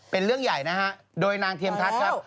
เป็นเรื่องใหญ่นะฮะโดยนางเทียมทัศน์ครับ